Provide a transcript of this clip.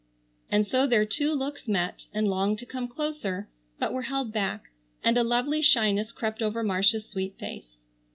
And so their two looks met, and longed to come closer, but were held back, and a lovely shyness crept over Marcia's sweet face.